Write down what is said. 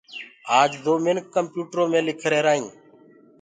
آج دو منک ڪمپيوٽرو مي لک ريهرآئينٚ